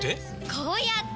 こうやって！